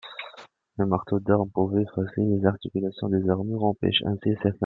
Le marteau d'armes pouvait fausser les articulations des armures, empêchant ainsi certains mouvements.